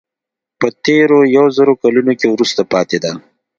په تېرو یو زر کلونو کې وروسته پاتې ده.